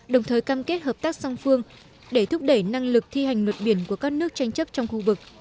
đồng thời cam kết hợp tác song phương để thúc đẩy năng lực thi hành luật biển của các nước tranh chấp trong khu vực